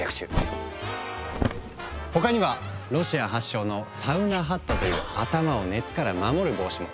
他にはロシア発祥の「サウナハット」という頭を熱から守る帽子も。